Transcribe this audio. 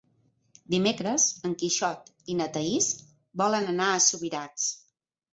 Dimecres en Quixot i na Thaís volen anar a Subirats.